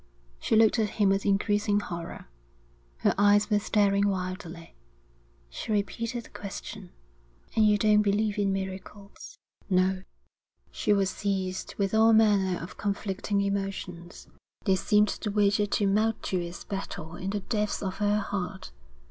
She looked at him with increasing horror. Her eyes were staring wildly. She repeated the question. 'And you don't believe in miracles?' 'No.' She was seized with all manner of conflicting emotions. They seemed to wage a tumultuous battle in the depths of her heart.